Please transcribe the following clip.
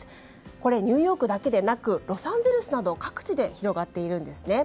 これ、ニューヨークだけでなくロサンゼルスなど各地で広がっているんですね。